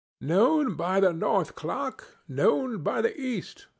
Noon by the north clock! Noon by the east!